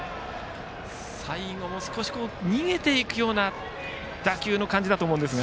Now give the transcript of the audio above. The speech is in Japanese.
最後逃げていくような打球の感じだと思いますが。